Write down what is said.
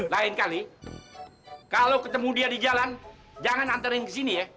lain kali kalau ketemu dia di jalan jangan nganterin ke sini ya